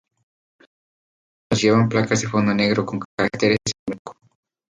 Los vehículos militares llevan placas de fondo negro con caracteres en blanco.